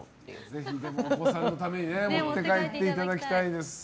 ぜひお子さんのために持って帰っていただきたいです。